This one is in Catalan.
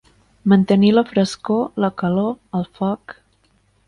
Mantenir la frescor, la calor, el foc.